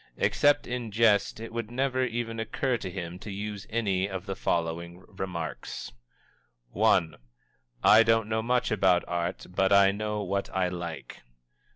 Except in jest it would never even occur to him to use any of the following remarks: I. "_I don't know much about Art, but I know what I like.